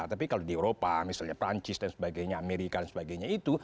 tapi kalau di eropa misalnya perancis dan sebagainya amerika dan sebagainya itu